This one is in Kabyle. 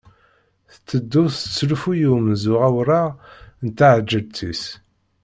Tetteddu teslufuy i umzur awraɣ n tɛelǧet-is.